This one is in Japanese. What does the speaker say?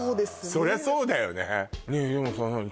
そりゃそうだよねねえ